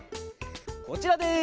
こちらです！